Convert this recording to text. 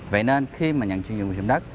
vậy nên khi nhận chuyển nhượng quyền sử dụng đất